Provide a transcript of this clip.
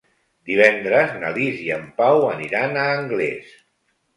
Divendres na Lis i en Pau aniran a Anglès.